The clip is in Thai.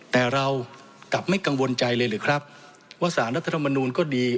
แต่เรากลับไม่กังวลใจเลยหรือครับว่าสารรัฐธรรมนูลก็ดี